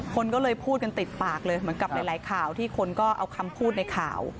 คนก็เลยพูดกันติดปากเลยเหมือนกับหลายข่าวที่คนก็เอาคำพูดในข่าว